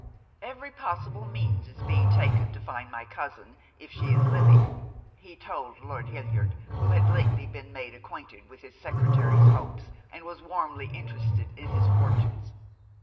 " Every possible means is being taken to find my cousin, if she is living," he told Lord Hildyard, who had lately been made acquainted with his secretary's hopes, and was warmly interested in his fortunes.